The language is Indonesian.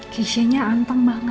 keishanya anteng banget sangat